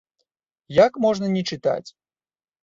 Як можна не чытаць?